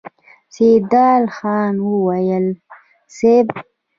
سيدال خان وويل: صېب!